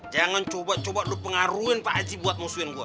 jangan coba coba lo pengaruhin pak haji buat musuhin gue